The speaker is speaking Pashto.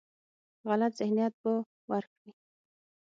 غلط ذهنیت به ورکړي.